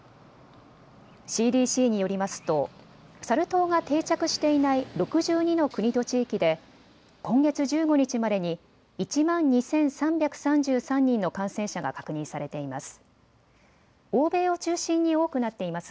ＣＤＣによりますとサル痘が定着していない６２の国と地域で今月１５日までに１万２３３３人の感染者が確認されています。